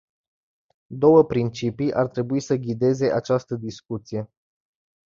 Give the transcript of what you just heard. Două principii ar trebui să ghideze această discuție.